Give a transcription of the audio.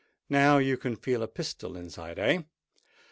Now you can feel a pistol inside—eh?